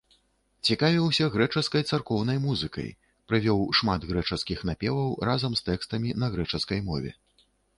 Цікавіўся грэчаскай царкоўнай музыкай, прывёў шмат грэчаскіх напеваў разам з тэкстамі на грэчаскай мове.